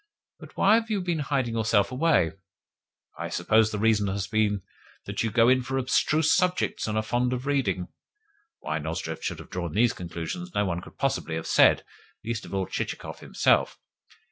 But why have you been hiding yourself away? I suppose the reason has been that you go in for abstruse subjects and are fond of reading" (why Nozdrev should have drawn these conclusions no one could possibly have said least of all Chichikov himself).